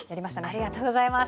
ありがとうございます。